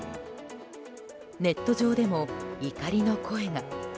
ネット上でも怒りの声が。